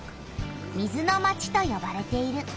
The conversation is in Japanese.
水の町とよばれている。